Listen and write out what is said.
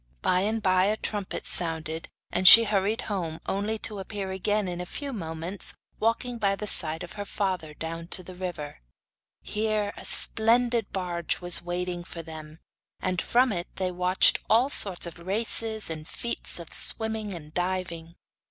By and by a trumpet sounded, and she hurried home, only to appear again in a few moments walking by the side of her father down to the river. Here a splendid barge was waiting for them, and from it they watched all sorts of races and feats of swimming and diving.